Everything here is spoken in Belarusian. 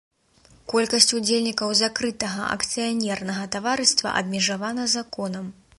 Колькасць удзельнікаў закрытага акцыянернага таварыства абмежавана законам.